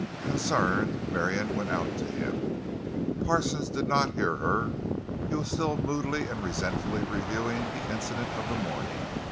Concerned, Marion went out to him. Parsons did not hear her; he was still moodily and resentfully reviewing the incident of the morning.